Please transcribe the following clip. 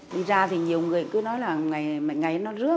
đi ra thì nhiều người cứ nói là ngày nó rước